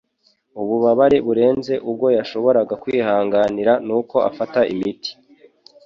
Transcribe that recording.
Ububabare burenze ubwo yashoboraga kwihanganira nuko afata imiti